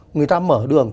người ta mở đường